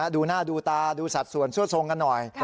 ดูหน้าดูตาดูสัดส่วนซั่วทรงกันหน่อย